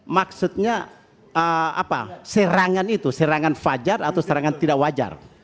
maksudnya serangan itu serangan fajar atau serangan tidak wajar